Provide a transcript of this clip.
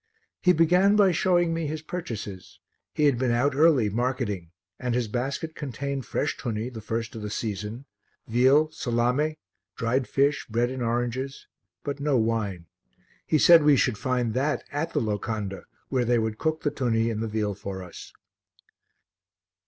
He began by showing me his purchases; he had been out early, marketing, and his basket contained fresh tunny, the first of the season, veal, salame, dried fish, bread and oranges, but no wine; he said we should find that at the locanda, where they would cook the tunny and the veal for us.